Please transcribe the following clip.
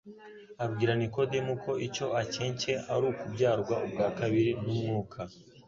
Abwira Nikodemu ko icyo akencye ari ukubyarwa ubwa kabiri n'umwuka,